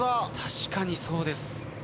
確かにそうです。